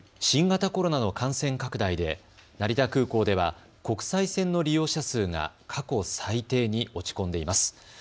新型コロナの感染拡大で成田空港では国際線の利用者数が過去最低に落ち込んでいます。